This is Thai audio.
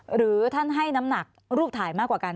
หรือท่านให้น้ำหนักรูปถ่ายมากกว่ากัน